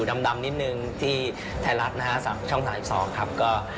หมายความว่าไงครับ